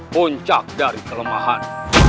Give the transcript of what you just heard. puncak dari kelemahan